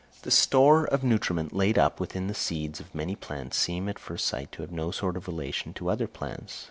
The store of nutriment laid up within the seeds of many plants seems at first sight to have no sort of relation to other plants.